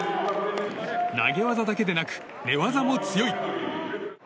投げ技だけでなく寝技も強い。